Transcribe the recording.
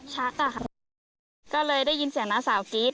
ชักอะค่ะก็เลยได้ยินเสียงหน้าสาวกรีด